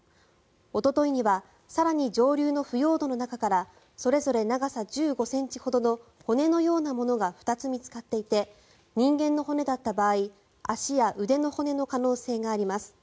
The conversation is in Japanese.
おとといには更に上流の腐葉土の中からそれぞれ長さ１５ｃｍほどの骨のようなものが２つ見つかっていて人間の骨だった場合足や腕の骨の可能性があります。